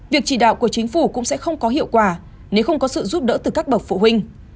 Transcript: việc chỉ đạo của chính phủ cũng sẽ không có hiệu quả nếu không có sự giúp đỡ từ các bậc phụ huynh